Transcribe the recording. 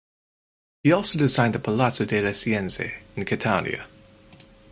He also designed the Palazzo delle Scienze in Catania.